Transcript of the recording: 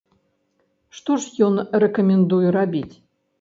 Што ж ён рэкамендуе рабіць?